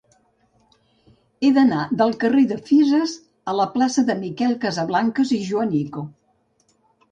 He d'anar del carrer de Fisas a la plaça de Miquel Casablancas i Joanico.